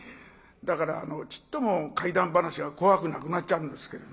だからちっとも怪談噺が怖くなくなっちゃうんですけれど。